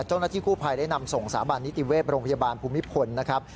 เจ้าหน้าที่กู้ภัยได้นำส่งสาบานนิติเวศโรงพยาบาลภูมิพลนะครับ